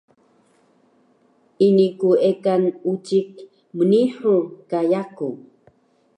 ini ku ekan ucik mngihur ka yaku